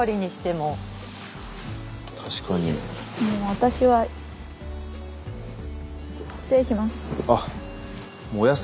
もう私は失礼します。